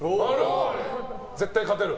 絶対勝てる？